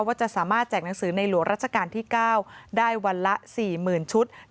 ว่าจะสามารถแจกหนังสือในหลวงราชการที่๙ได้วันละ๔๐๐๐ชุด